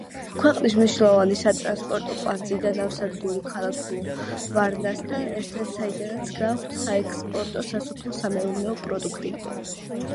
ქვეყნის მნიშვნელოვანი სატრანსპორტო კვანძი და ნავსადგური ქალაქ ვარნასთან ერთად, საიდანაც გააქვთ საექსპორტო სასოფლო-სამეურნეო პროდუქტი.